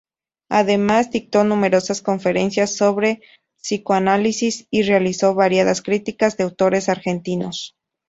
Además dictó numerosas conferencias sobre psicoanálisis, y realizó variadas críticas de autores argentinos.